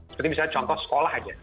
seperti misalnya contoh sekolah saja